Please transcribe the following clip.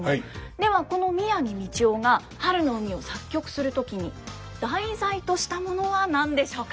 ではこの宮城道雄が「春の海」を作曲する時に題材としたものは何でしょうか？